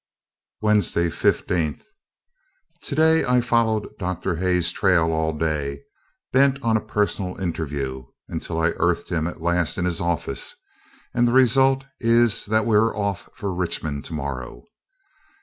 Wednesday, 15th. To day, I followed Dr. Hay's trail all day, bent on a personal interview, until I earthed him at last in his office; and the result is that we are off for Richmond to morrow.